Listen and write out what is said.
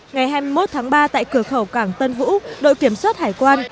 ngày hai mươi một tháng ba tại cửa khẩu cảng tân vũ đội kiểm soát hải quan